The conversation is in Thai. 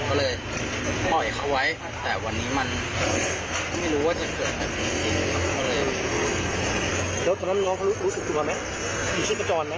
ก็เลยปล่อยเขาไว้แต่วันนี้มันไม่รู้ว่าจะเผื่ออะไรจริงครับ